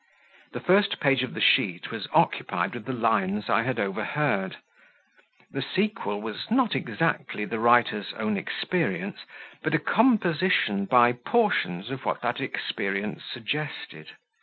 The first page of the sheet was occupied with the lines I had overheard; the sequel was not exactly the writer's own experience, but a composition by portions of that experience suggested.